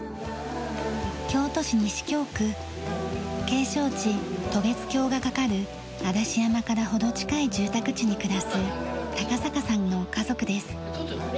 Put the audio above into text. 景勝地渡月橋がかかる嵐山から程近い住宅地に暮らす坂さんの家族です。